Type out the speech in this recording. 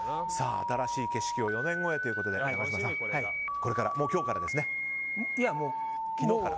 新しい景色を４年後へということで永島さんもう昨日から。